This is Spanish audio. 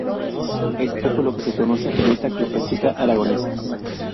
Es poco lo que se conoce de esta cupletista aragonesa.